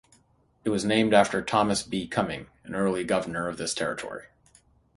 It was named after Thomas B. Cuming, an early governor of this territory.